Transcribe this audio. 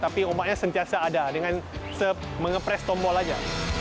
tapi ombaknya sentiasa ada dengan mengepres tombol saja